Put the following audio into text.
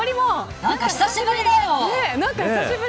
なんか久しぶりだよ。